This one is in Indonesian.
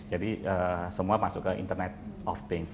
jadi semua masuk ke internet of things